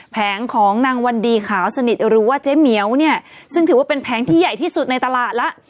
แผงของนางวันดีขาวสนิทหรือว่าเจ๊เหมียวเนี่ยซึ่งถือว่าเป็นแผงที่ใหญ่ที่สุดในตลาดแล้ว